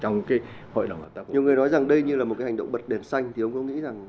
nhiều người nói rằng đây như là một cái hành động bật đèn xanh thì ông có nghĩ rằng